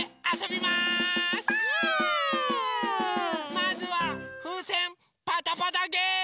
まずはふうせんパタパタゲーム！